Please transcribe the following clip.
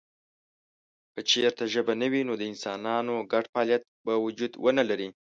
که چېرته ژبه نه وي نو د انسانانو ګډ فعالیت به وجود ونه لري.